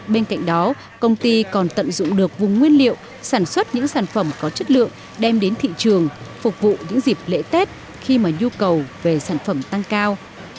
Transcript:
bên cạnh đó công ty còn tận dụng được vùng nguyên liệu sản xuất những sản phẩm có chất lượng đem đến thị trường phục vụ những dịp lễ tết khi mà nhu cầu về sản phẩm tăng cao